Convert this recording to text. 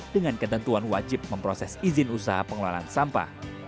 dengan ketentuan wajib memproses izin usaha pengelolaan sampah